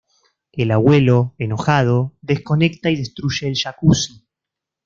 El abuelo, enojado, desconecta y destruye el jacuzzi.